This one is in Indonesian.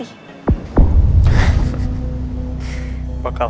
ini buat lo